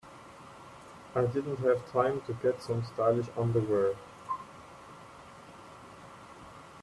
I didn't have time to get some stylish underwear.